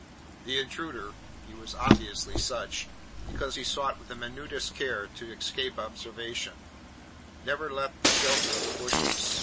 The intruder he was obviously such, because he sought with the minutest care to escape observation never left the shelter of the bushes.